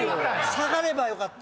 下がればよかった。